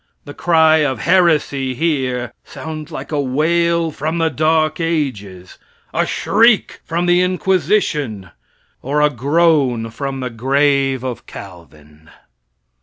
The cry of "heresy" here, sounds like a wail from the Dark Ages a shriek from the Inquisition, or a groan from the grave of Calvin.